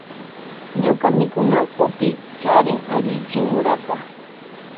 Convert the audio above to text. Ñuka mikunawkupi charin allichin muruta.